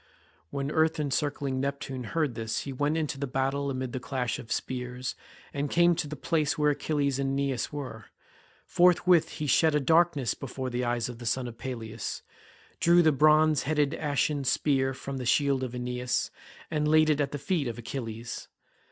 When earth encircling Neptune heard this he went into the battle amid the clash of spears, and came to the place where Achilles and Aeneas were. Forthwith he shed a darkness before the eyes of the son of Peleus, drew the bronze headed ashen spear from the shield of Aeneas, and laid it at the feet of Achilles.